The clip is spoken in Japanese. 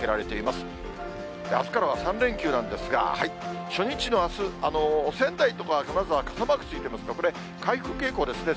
あすからは３連休なんですが、初日のあす、仙台とか金沢は傘マークついていますが、これ、回復傾向ですね。